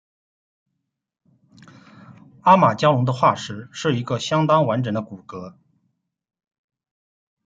阿马加龙的化石是一个相当完整的骨骼。